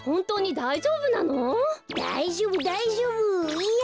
だいじょうぶだいじょうぶいや